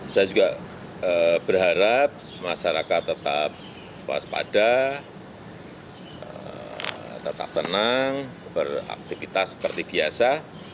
saya juga berharap masyarakat tetap waspada tetap tenang beraktivitas seperti biasa